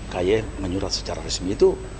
ky menyurat secara resmi itu